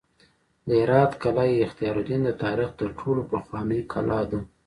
د هرات قلعه اختیارالدین د تاریخ تر ټولو پخوانۍ کلا ده